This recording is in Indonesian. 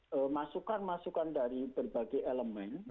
yang masukkan masukkan dari berbagai elemen